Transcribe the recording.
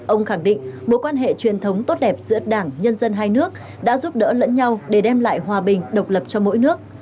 ông khẳng định mối quan hệ truyền thống tốt đẹp giữa đảng nhân dân hai nước đã giúp đỡ lẫn nhau để đem lại hòa bình độc lập cho mỗi nước